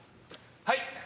はい。